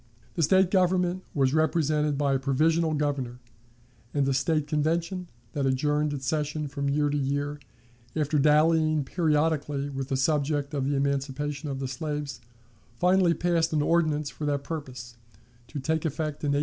The State government was represented by a provisional Governor; and a State Convention, that adjourned its sessions from year to year, after dallying periodically with the subject of the emancipation of the slaves, finally passed an ordinance for that purpose, to take effect in 1870.